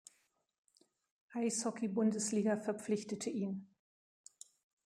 Eishockey-Bundesliga verpflichtete ihn.